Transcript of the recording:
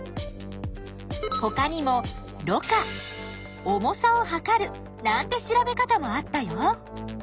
ほかにもろ過重さを量るなんて調べ方もあったよ。